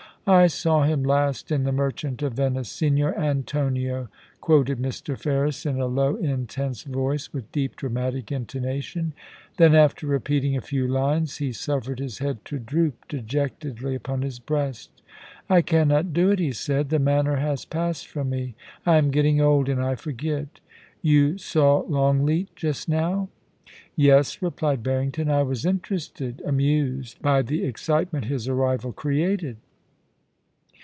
I saw him last in " The Merchant of Venice "—" Signor Antonio ...."' quoted Mr. Ferris, in a low intense voice, with deep, dramatic intonation ; then after repeating a few lines, he suffered his hea4 to droop dejectedly upon his breast * I cannot do it,' he said ; 'the manner has passed from me. * I am getting old, and I forget ... You saw Longleat just now ?'* Yes,' replied Harrington ;* I was interested, amused, by the excitement his arrival created.'